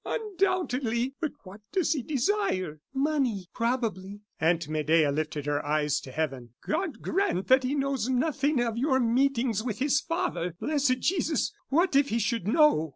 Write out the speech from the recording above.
"Undoubtedly; but what does he desire?" "Money, probably." Aunt Medea lifted her eyes to heaven. "God grant that he knows nothing of your meetings with his father! Blessed Jesus! what if he should know."